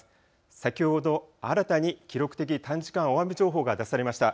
先ほど新たに記録的短時間大雨情報が出されました。